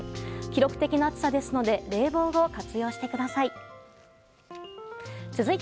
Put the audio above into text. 記録的な暑さですので冷房を活用してください。